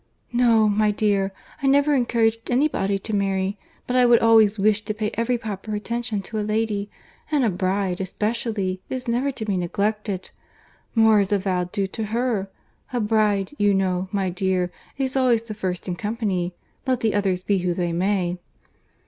"No, my dear, I never encouraged any body to marry, but I would always wish to pay every proper attention to a lady—and a bride, especially, is never to be neglected. More is avowedly due to her. A bride, you know, my dear, is always the first in company, let the others be who they may."